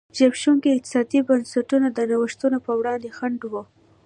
زبېښونکي اقتصادي بنسټونه د نوښتونو پر وړاندې خنډ و.